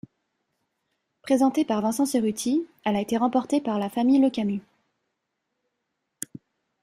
Présentée par Vincent Cerutti, elle a été remportée par la famille Lecamus.